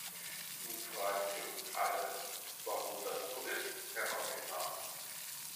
Nun fragen wir uns alle, warum das so ist, Herr Kommissar.